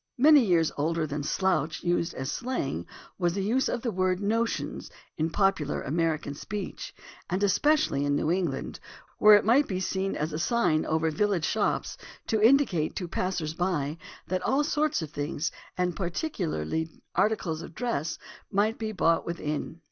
Many years older than "slouch" used as slang was the use of the word "notions" in popular American speech, and especially in New England, where it might be seen as a sign over village shops to indicate to passers by that all sorts of things, and particularly articles of dress, might be bought within.